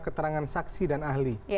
keterangan saksi dan ahli